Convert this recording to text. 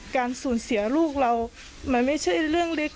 การสูญเสียลูกเรามันไม่ใช่เรื่องเล็ก